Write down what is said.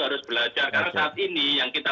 harus belajar karena saat ini yang kita